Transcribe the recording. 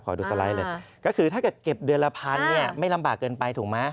ก็คือถ้าเก็บเดือนละพันเนี่ยไม่ลำบากเกินไปถูกไหม